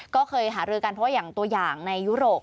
ก็เคยหารือกันเพราะว่าอย่างตัวอย่างในยุโรป